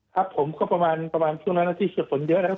ครับผมก็ประมาณช่วงนั้นน่ะที่จะผลเยอะนะครับ